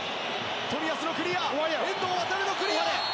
冨安のクリア、遠藤航のクリア。